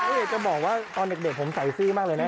ไม่เห็นเหตุจะบอกว่าตอนเด็กผมใส่ซื้อมากเลยนะ